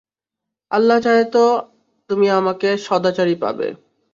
আল্লাহ চাহেতো তুমি আমাকে সদাচারী পাবে।